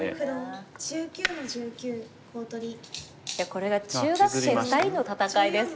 これが中学生２人の戦いですから。